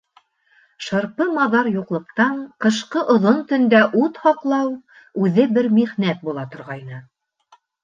Шырпымаҙар юҡлыҡтан, ҡышҡы оҙон төндә ут һаҡлау үҙе бер михнәт була торғайны.